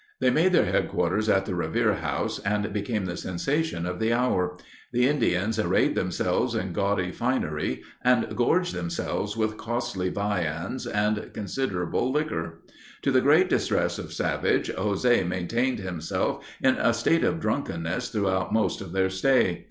They made their headquarters at the Revere House and became the sensation of the hour. The Indians arrayed themselves in gaudy finery and gorged themselves with costly viands and considerable liquor. To the great distress of Savage, José maintained himself in a state of drunkenness throughout most of their stay.